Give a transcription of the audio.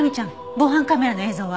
防犯カメラの映像は？